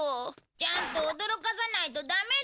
ちゃんと驚かさないとダメだろ！